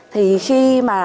thì khi mà